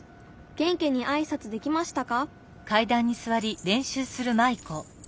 元気にあいさつできましたか？」。